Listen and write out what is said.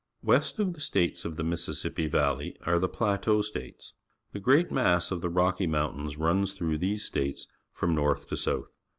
West of the States of the Mississippi Valley are the Plateau States. The great mass of the Rocky Mountains runs through these states from north to south.